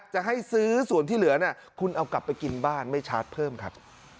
จะให้ซื้อส่วนที่เหลือคุณเอากลับไปกินบ้านไม่ชาร์จเพิ่มครับ